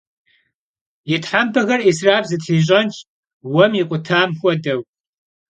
Yi thempexer 'israf zetra ş'enş, vuem yikhutam xuedeu.